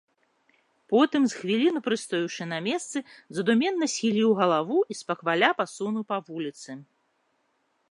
Потым, з хвіліну прыстоіўшы на месцы, задуменна схіліў галаву і спакваля пасунуў па вуліцы.